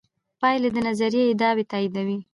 پایلې د نظریې ادعاوې تاییدوي.